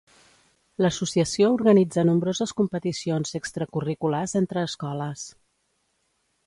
L'associació organitza nombroses competicions extracurriculars entre escoles.